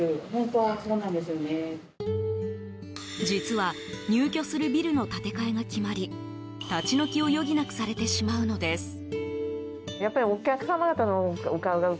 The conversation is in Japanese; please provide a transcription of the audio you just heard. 実は入居するビルの建て替えが決まり立ち退きを余儀なくされてしまうのです。